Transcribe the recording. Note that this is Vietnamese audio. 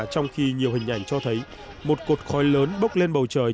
trong khi nhiều hình ảnh cho thấy một cột khói lớn bốc lên bầu trời